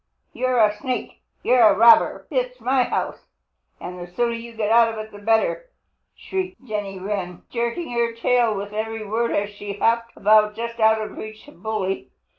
"You're a sneak! You're a robber! That's my house, and the sooner you get out of it the better!" shrieked Jenny Wren, jerking her tail with every word as she hopped about just out of reach of Bully.